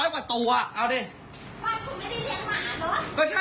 บ้านคุณไม่เลี้ยงหมา